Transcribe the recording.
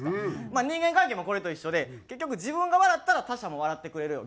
まあ人間関係もこれと一緒で結局自分が笑ったら他者も笑ってくれるよ。